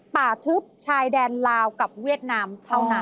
ทึบชายแดนลาวกับเวียดนามเท่านั้น